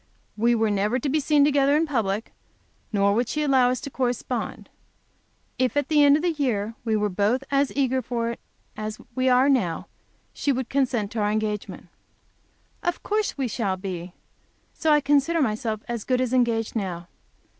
We were never to be seen together in public, nor would she allow us to correspond. If, at the end of the year, we were both as eager for it as we are now, she would consent to our engagement. Of course we shall be, so I consider myself as good as engaged now.